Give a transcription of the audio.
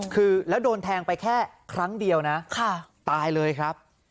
คือแล้วโดนแทงไปแค่ครั้งเดียวนะตายเลยครับ